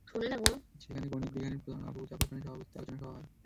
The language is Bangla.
সেখানে গণিত বিভাগের প্রধান আবু জাফর খানের সভাপতিত্বে আলোচনা সভা হয়।